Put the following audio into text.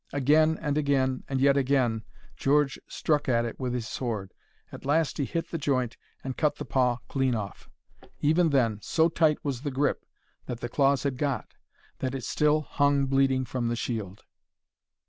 Again and again, and yet again, George struck at it with his sword. At last he hit the joint and cut the paw clean off. Even then, so tight was the grip that the claws had got, that it still hung bleeding from the shield.